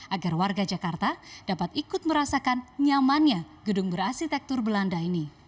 agar warga jakarta dapat ikut merasakan nyamannya gedung berasitektur belanda ini